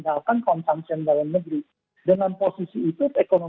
jadi infrastruktur sudah terjadi properti yang dibangun masif sudah rancang